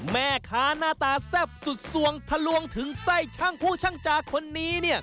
แม่ค้าหน้าตาแซ่บสุดสวงทะลวงถึงไส้ช่างผู้ช่างจาคนนี้เนี่ย